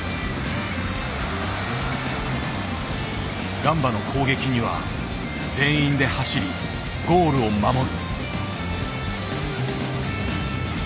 ガンバの攻撃には全員で走りゴールを守る。